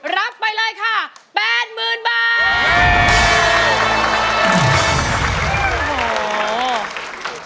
รับไปเลยค่ะแปดหมื่นบาท